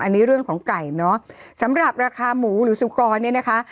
อันนี้เรื่องของไก่เนอะสำหรับราคาหมูหรือสุกรเนี่ยนะคะ